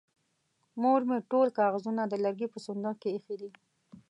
مور مې ټول کاغذونه د لرګي په صندوق کې ايښې دي.